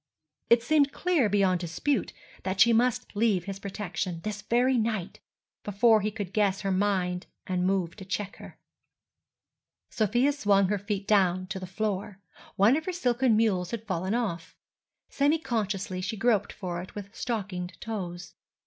It seemed clear beyond dispute that she must leave his protection, this very night, before he could guess her mind and move to check her. Sofia swung her feet down to the floor. One of her silken mules had fallen off. Semi consciously she groped for it with stockinged toes.